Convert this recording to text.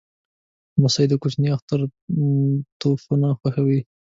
لمسی د کوچني اختر توپونه خوښوي.